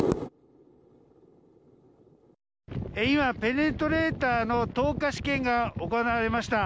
今、ペネトレータの投下試験が行われました。